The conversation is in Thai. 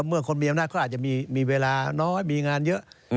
เมื่อคนมีอำนาจก็อาจจะมีเวลาน้อยมีงานเยอะ